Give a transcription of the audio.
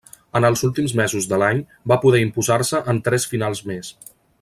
En els últims mesos de l'any va poder imposar-se en tres finals més.